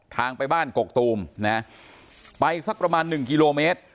ทางไปบ้านกกตูมนะไปสักประมาณหนึ่งกิโลเมตร